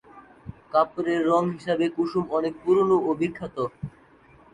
কাপড়ের রং হিসেবে কুসুম অনেক পুরোনো ও বিখ্যাত।